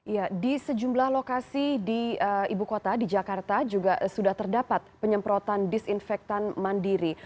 ya di sejumlah lokasi di ibu kota di jakarta juga sudah terdapat penyemprotan disinfektan mandiri